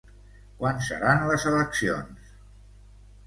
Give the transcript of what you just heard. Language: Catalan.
Quan seran les eleccions?